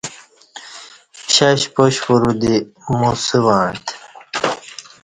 پشش پاشپورو دی موسہ وعݩتہ